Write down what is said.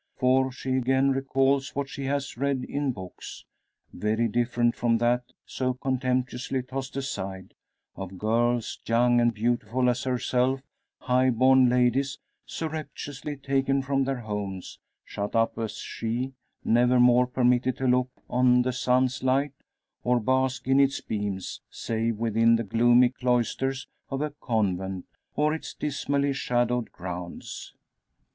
For she again recalls what she has read in books very different from that so contemptuously tossed aside of girls, young and beautiful as herself high born ladies surreptitiously taken from their homes shut up as she never more permitted to look on the sun's light, or bask in its beams, save within the gloomy cloisters of a convent, or its dismally shadowed grounds.